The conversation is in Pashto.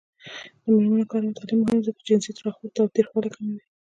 د میرمنو کار او تعلیم مهم دی ځکه چې جنسي تاوتریخوالی کموي.